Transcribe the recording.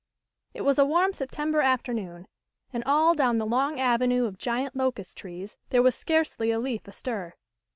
It was a warm September afternoon, and all down the long avenue of giant locust trees there was scarcely a leaf astir.